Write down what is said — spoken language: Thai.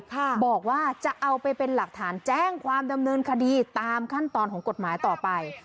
บอกว่าจะเอาไปเป็นหลักฐานแจ้งความดำเนินคดีตามขั้นตอนของกฎหมายต่อไป